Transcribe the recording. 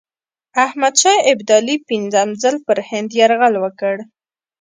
احمدشاه ابدالي پنځم ځل پر هند یرغل وکړ.